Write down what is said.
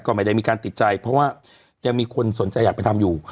ก็ไม่ได้มีการติดใจเพราะว่ายังมีคนสนใจอยากไปทำอยู่